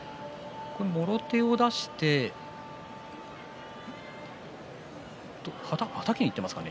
もろ手を出してはたきにいっていますかね。